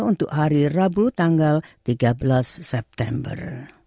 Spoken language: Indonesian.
untuk hari rabu tanggal tiga belas september